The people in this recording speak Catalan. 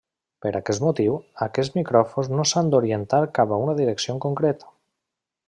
Per aquest motiu, aquests micròfons no s'han d'orientar cap a una direcció en concret.